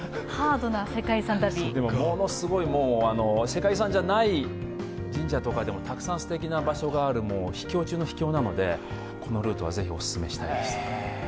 ものすごい、世界遺産じゃない神社とかでもたくさんすてきな場所がある秘境中の秘境なのでこのルートはぜひ、お勧めしたいです。